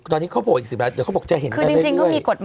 เดี๋ยวเขาบอกอีก๑๐บาทเดี๋ยวเขาบอกจะเห็นกันได้ด้วย